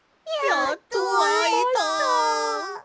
やっとあえました！